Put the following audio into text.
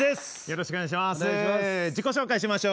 よろしくお願いします。